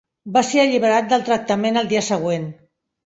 Va ser alliberat del tractament al dia següent.